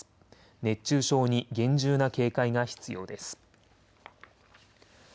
熱中症に厳重な警戒が必要です。